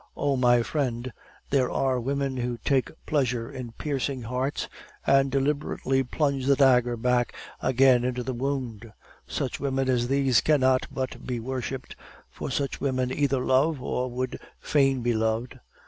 Oh, my friend, there are women who take pleasure in piercing hearts, and deliberately plunge the dagger back again into the wound; such women as these cannot but be worshiped, for such women either love or would fain be loved.